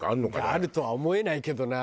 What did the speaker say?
あるとは思えないけどな。